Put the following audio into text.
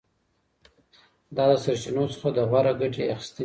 دا د سرچینو څخه د غوره ګټې اخیستنې بېلګه ده.